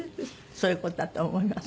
そういう事だと思います。